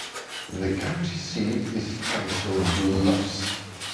The county seat is Council Bluffs.